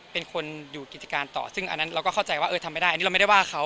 เป็นคนอยู่กิจการต่อซึ่งอันนั้นเราก็เข้าใจว่าเออทำไม่ได้อันนี้เราไม่ได้ว่าเขา